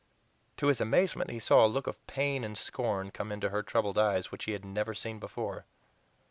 To his amazement he saw a look of pain and scorn come into her troubled eyes which he had never seen before.